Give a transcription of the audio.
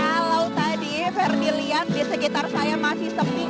a llow tadi ferdy lian di sekitar saya masih sepi